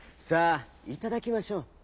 さあいただきましょう」。